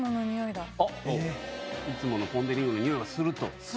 いつものポン・デ・リングの匂いがすると。